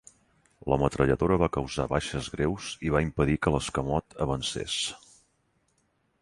La metralladora va causar baixes greus i va impedir que l'escamot avancés.